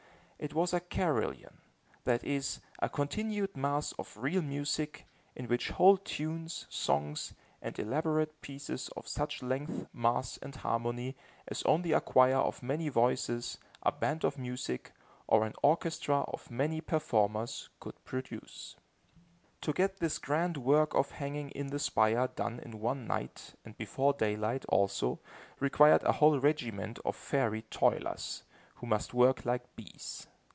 It was a carillon, that is, a continued mass of real music, in which whole tunes, songs, and elaborate pieces of such length, mass and harmony, as only a choir of many voices, a band of music, or an orchestra of many performers could produce. To get this grand work of hanging in the spire done in one night, and before daylight, also, required a whole regiment of fairy toilers, who must work like bees.